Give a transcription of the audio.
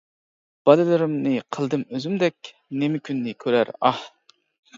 باللىرىمنى قىلدىم ئۆزۈمدەك، نېمە كۈننى كۆرەر ئاھ!